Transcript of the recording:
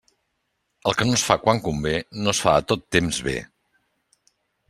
El que no es fa quan convé, no es fa a tot temps bé.